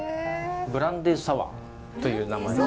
ブランデーサワーという名前の。